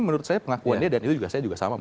menurut saya pengakuannya dan itu juga saya juga sama